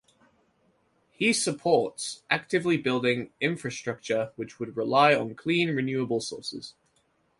He supports actively building infrastructure which would rely on clean renewable sources.